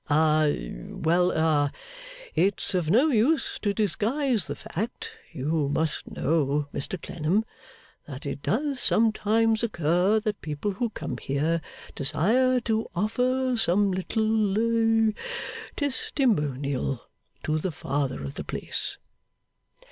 A well a it's of no use to disguise the fact you must know, Mr Clennam, that it does sometimes occur that people who come here desire to offer some little Testimonial to the Father of the place.